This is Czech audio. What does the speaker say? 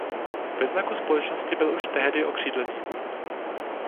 Ve znaku společnosti byl už tehdy okřídlený kůň.